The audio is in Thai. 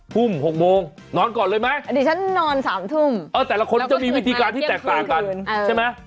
พุ่ม๖โมงนอนก่อนเลยไหมแต่ละคนจะมีวิธีการที่แตกต่างกันใช่ไหม